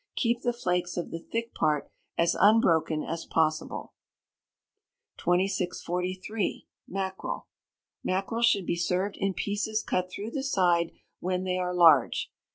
Keep the flakes of the thick part as unbroken as possible. 2643. Mackerel. Mackerel should be served in pieces cut through the side when they are large.